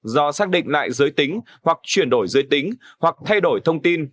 do xác định lại giới tính hoặc chuyển đổi giới tính hoặc thay đổi thông tin